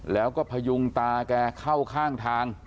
แล้วก็พยุงตาแกเข้าข้างทาง